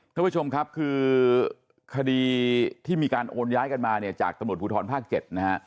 ท่านผู้ชมครับคือคดีที่มีการโอนย้ายกันมาเนี่ยจากตำรวจภูทรภาค๗นะฮะ